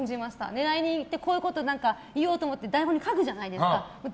狙いに行ってこういうこと言おうと思って台本に書くじゃないですか。